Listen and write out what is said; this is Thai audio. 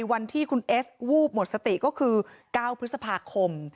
วันที่คุณเอสวูบหมดสติก็คือ๙พฤษภาคม